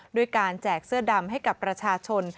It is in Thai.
ด้วยการแจกเสื้อดำให้กับประชาชน